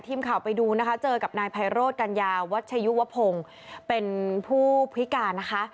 ทีมข่าวไปดูนะคะเจอกับนายไพโรธกัญญาวัชยุวพงศ์เป็นผู้พิการนะคะ